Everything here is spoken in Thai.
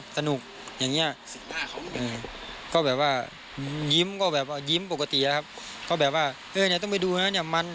สนุกอย่างนี้ก็แบบว่ายิ้มก็แบบว่ายิ้มปกตินะครับก็แบบว่าเออเนี่ยต้องไปดูนะเนี่ยมัน